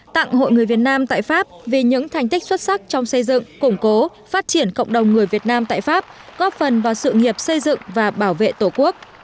tặng hội người việt nam tại pháp vì những thành tích xuất sắc trong xây dựng củng cố phát triển cộng đồng người việt nam tại pháp góp phần vào sự nghiệp xây dựng và bảo vệ tổ quốc